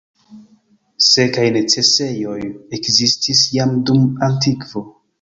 Sekaj necesejoj ekzistis jam dum antikvo.